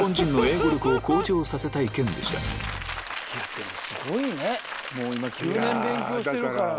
でもすごいねもう今９年勉強してるから。